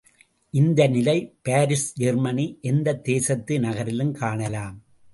இந்த நிலை Paris Germany எந்தத் தேசத்து நகரிலும் காணலாம்.